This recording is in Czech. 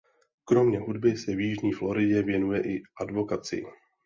Kromě hudby se v Jižní Floridě věnuje i advokacii.